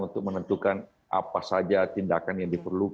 untuk menentukan apa saja tindakan yang diperlukan